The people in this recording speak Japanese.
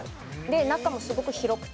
「中もすごく広くて」